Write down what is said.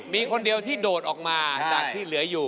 มีคนเดียวที่โดดออกมาจากที่เหลืออยู่